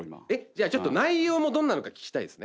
じゃあちょっと内容もどんなのか聞きたいですね。